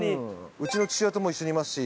うちの父親とも一緒にいますし。